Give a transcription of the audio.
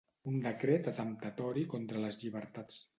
Un decret atemptatori contra les llibertats.